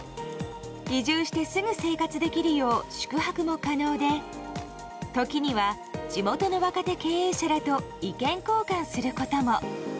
移住してすぐ生活できるよう宿泊も可能で時には、地元の若手経営者らと意見交換することも。